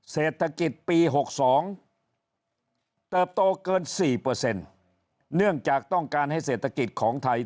เศรษฐกิจปี๖๒เติบโตเกิน๔เนื่องจากต้องการให้เศรษฐกิจของไทย